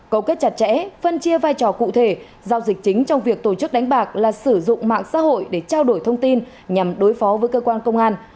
cầu kết chặt chẽ phân chia vai trò cụ thể giao dịch chính trong việc tổ chức đánh bạc là sử dụng mạng xã hội để trao đổi thông tin nhằm đối phó với cơ quan công an